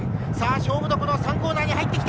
勝負どころ３コーナーに入ってきた。